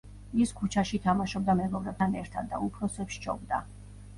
ის ქუჩაში თამაშობდა მეგობრებთან ერთად და უფროსებს სჯობდა.